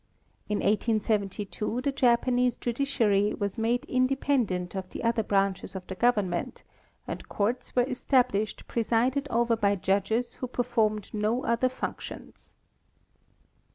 In 1872 the Japanese judiciary was made independent of the other branches of the government, and courts were established presided over by judges who performed no other functions.